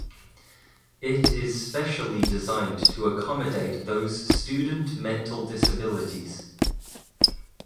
It is specially designed to accommodate those student mental disabilities.